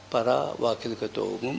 para wakil ketua umum